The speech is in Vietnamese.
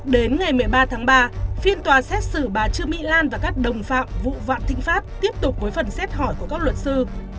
đến ngày một mươi ba tháng ba phiên tòa xét xử bà trương mỹ lan và các đồng phạm vụ vạn thịnh pháp tiếp tục với phần xét hỏi của các luật sư